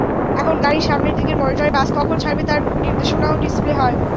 এখন গাড়ির সামনের দিকের মনিটরে বাস কখন ছাড়বে তার নির্দেশনাও ডিসপ্লে হয়।